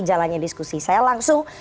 jalannya diskusi saya langsung